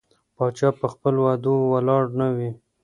پاچا په خپل وعدو ولاړ نه وي.